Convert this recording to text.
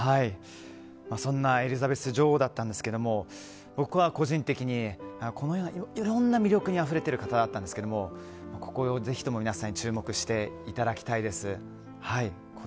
そんなエリザベス女王だったんですけれども僕は個人的に、いろんな魅力にあふれている方だったんですがここをぜひとも皆さんに注目していただきたいです。